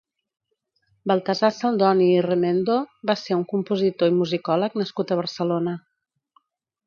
Baltasar Saldoni i Remendo va ser un compositor i musicòleg nascut a Barcelona.